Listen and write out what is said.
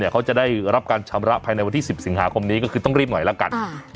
เขาจะได้รับการชำระภายในวันที่๑๐สิงหาคมนี้ก็คือต้องรีบหน่อยแล้วกัน